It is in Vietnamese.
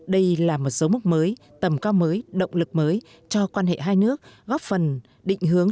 đây là một dấu mốc mới tầm cao mới động lực mới cho quan hệ hai nước góp phần định hướng